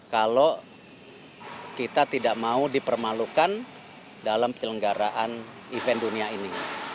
kalau kita tidak mau dipermalukan dalam penyelenggaraan event dunia ini